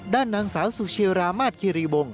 ด้านนางสาวสุเชรามาสคิรีวงศ